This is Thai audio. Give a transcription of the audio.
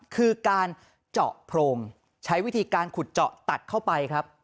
คือการเจาะโพรงใช้วิธีการขุดเจาะตัดเข้าไปครับ